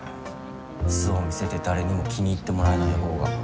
素を見せて誰にも気に入ってもらえないほうが。